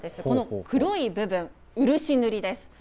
この黒い部分、漆塗りです。